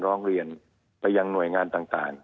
ร้องเรียนไปยังหน่วยงานต่าง